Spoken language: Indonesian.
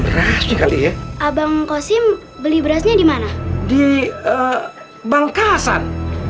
beras sekali ya abang kosim beli berasnya di mana di bangkasan